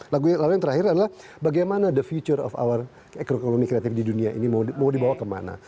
lagu yang lalu yang terakhir adalah bagaimana the future of our ekonomi kreatif di dunia ini mau dibawa kemana